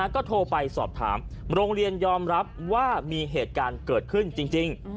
ก็โทรไปสอบถามโรงเรียนยอมรับว่ามีเหตุการณ์เกิดขึ้นจริง